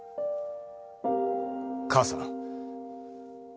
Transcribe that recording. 母さん。